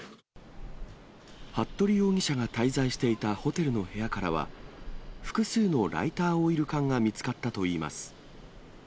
服部容疑者が滞在していたホテルの部屋からは、複数のライターオイル缶が見つかったといいます。